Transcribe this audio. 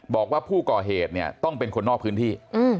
บอกว่าผู้ก่อเหตุเนี่ยต้องเป็นคนนอกพื้นที่